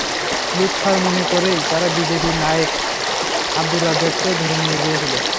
লুৎফর মনে করেই তারা বিজিবির নায়েক আবদুর রাজ্জাককে ধরে নিয়ে গিয়েছিল।